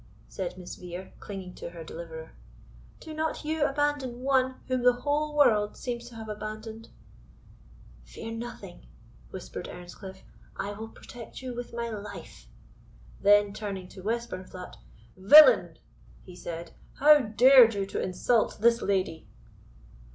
said Miss Vere, clinging to her deliverer; "do not you abandon one whom the whole world seems to have abandoned." "Fear nothing," whispered Earnscliff, "I will protect you with my life." Then turning to Westburnflat, "Villain!" he said, "how dared you to insult this lady?"